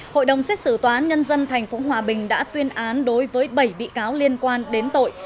hội đồng xét xử tòa nhân dân thành phố hòa bình đã tuyên án đối với bảy bị cáo liên quan đến tội